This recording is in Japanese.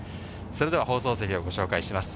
それでは放送席をご紹介します。